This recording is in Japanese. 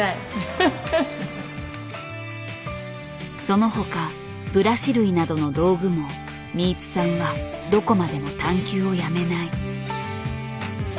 その他ブラシ類などの道具も新津さんはどこまでも探求をやめない。